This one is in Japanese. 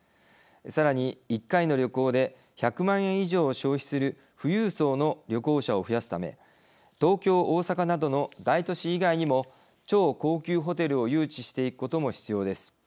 さらに、１回の旅行で１００万円以上を消費する富裕層の旅行者を増やすため東京、大阪などの大都市以外にも超高級ホテルを誘致していくことも必要です。